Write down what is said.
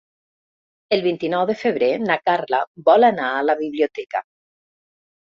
El vint-i-nou de febrer na Carla vol anar a la biblioteca.